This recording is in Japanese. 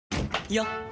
よっ！